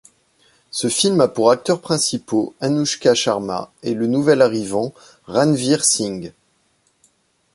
Ce film a pour acteurs principaux Anushka Sharma et le nouvel arrivant Ranveer Singh.